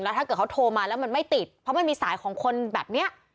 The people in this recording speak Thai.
ถ้าเกิดเขาโทรมาแล้วมันไม่ติดเพราะมันมีสายของคนแบบนี้